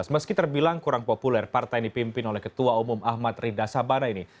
meski terbilang kurang populer partai yang dipimpin oleh ketua umum ahmad rida sabana ini